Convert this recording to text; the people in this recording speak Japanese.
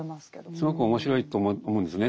すごく面白いと思うんですね。